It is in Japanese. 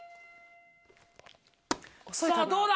さぁどうだ？